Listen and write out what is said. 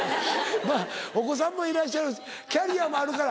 まぁお子さんもいらっしゃるしキャリアもあるから。